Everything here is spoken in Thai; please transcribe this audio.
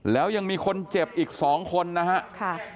แล้วยังมีคนเจ็บอีก๒คนนะครับ